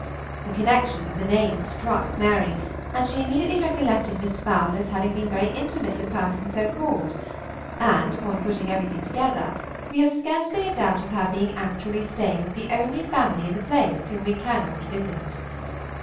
The connection of the names struck Mary, and she immediately recollected Miss Fowler's having been very intimate with persons so called, and, upon putting everything together, we have scarcely a doubt of her being actually staying with the only family in the place whom we cannot visit.